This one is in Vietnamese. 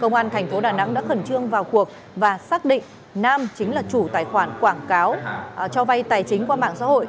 công an thành phố đà nẵng đã khẩn trương vào cuộc và xác định nam chính là chủ tài khoản quảng cáo cho vay tài chính qua mạng xã hội